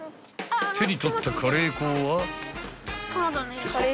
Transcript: ［手に取ったカレー粉は］